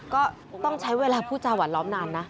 ก็ต้องใช้เวลาผู้จาหวานล้อมนานนะ